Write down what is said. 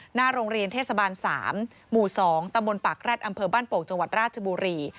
หน้าโรงเรียนเทศบาล๓หมู่๒ตำบลปากแร็ดอำเภอบ้านโป่งจังหวัดราชบุรี